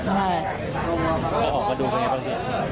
เขาออกมาดูกันไงบ้าง